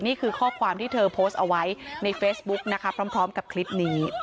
นี่คือข้อความที่เธอโพสต์เอาไว้ในเฟซบุ๊กนะคะพร้อมกับคลิปนี้